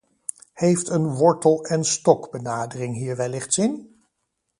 Heeft een wortel-en-stok-benadering hier wellicht zin?